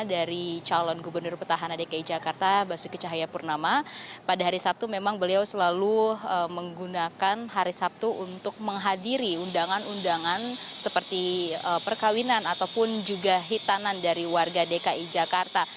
dari calon gubernur petahana dki jakarta basuki cahayapurnama pada hari sabtu memang beliau selalu menggunakan hari sabtu untuk menghadiri undangan undangan seperti perkawinan ataupun juga hitanan dari warga dki jakarta